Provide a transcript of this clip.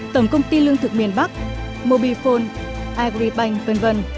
tổng công ty lương thực miền bắc mobifone agribank v v